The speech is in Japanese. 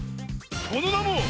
そのなも！